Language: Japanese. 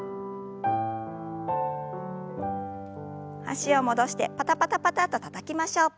脚を戻してパタパタパタとたたきましょう。